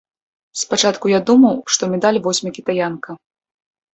Спачатку я думаў, што медаль возьме кітаянка.